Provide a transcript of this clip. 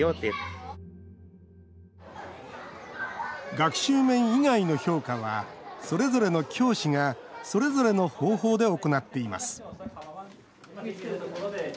学習面以外の評価はそれぞれの教師がそれぞれの方法で行っています。